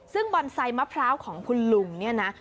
ซึ่งบอนไซต์มะพร้าวของคุณลุงเนี่ยนะ